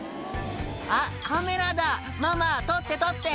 「あっカメラだママ撮って撮って！」